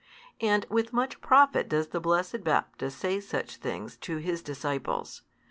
And with much profit does the blessed Baptist say such things to his disciples.